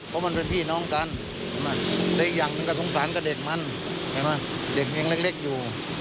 เพราะมันเป็นพี่น้องกันและอีกอย่างหนึ่งก็สงสารกับเด็กมันใช่ไหมเด็กยังเล็กอยู่